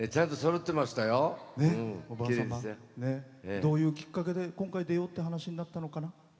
どういうきっかけで今回出ようって話になったのかな。